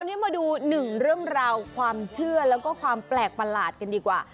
วันนี้มาดูหนึ่งเรื่องราวความเชื่อแล้วก็ความแปลกประหลาดกันดีกว่า